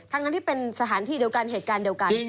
ทั้งที่เป็นสถานที่เดียวกันเหตุการณ์เดียวกัน